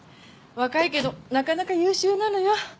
若いけどなかなか優秀なのよ。